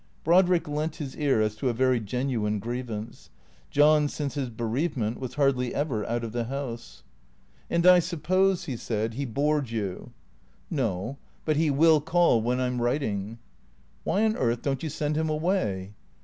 Brodrick lent his ear as to a very genuine grievance. John, since his bereavement, was hardly ever out of the house. 450 THECKEATOES " And I suppose," he said, " he bored you ?"" No, but he will call when I 'm writing." " Why on earth don't you send him away